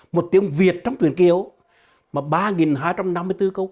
một tiếng việt trong truyền kiều mà ba hai trăm năm mươi bốn câu